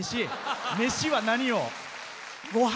飯は、何を？